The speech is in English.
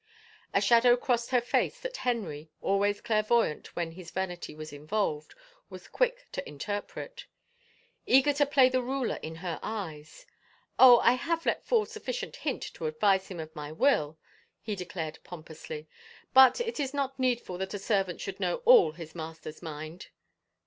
A shadow crossed her face that Henry, always clair voyant when his vanity was involved, was quick to inter pret. Eager to play the ruler in her eyes, " Oh, I have let fall sufficient hint to advise him of my will," he declared pompously, " but it is not needful that a servant should know all his master's mind."